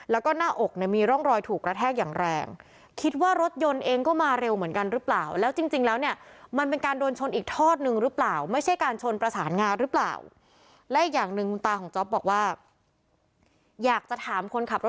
แล้วก็หน้าออกมีร่องรอยถูกกระแทกอย่างแรงคิดว่ารถยนต์เองก็มาเร็วเหมือนกันรึเปล่า